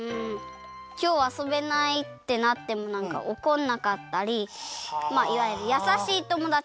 きょうあそべないってなってもおこんなかったりまあいわゆるやさしいともだち。